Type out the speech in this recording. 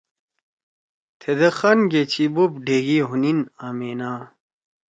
تھیدیکخان گے چھی بوپ ڈھیگی ہونیِن آمیِنا